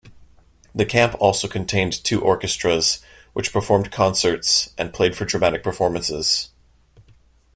The camp also contained two orchestras' which performed concerts and played for dramatic performances.